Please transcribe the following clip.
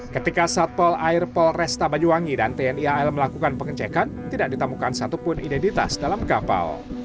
ketika satpol air polresta banyuwangi dan tni al melakukan pengecekan tidak ditemukan satupun identitas dalam kapal